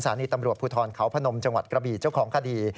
ีตำรวจภูทรเขาพนมจังหวัดกระบีเจ้าของคดี